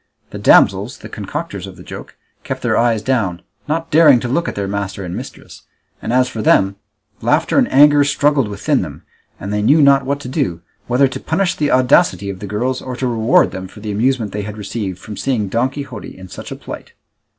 The damsels, the concocters of the joke, kept their eyes down, not daring to look at their master and mistress; and as for them, laughter and anger struggled within them, and they knew not what to do, whether to punish the audacity of the girls, or to reward them for the amusement they had received from seeing Don Quixote in such a plight.